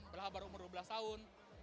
belah baru umur dua belas tahun